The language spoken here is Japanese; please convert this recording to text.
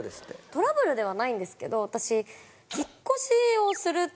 トラブルではないんですけど。